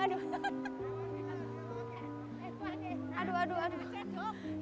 aduh aduh aduh